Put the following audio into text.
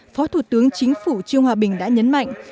phó thủ tướng chính phủ trương hòa bình đã nhấn mạnh